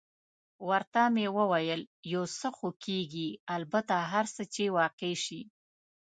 ورته مې وویل: یو څه خو کېږي، البته هر څه چې واقع شي.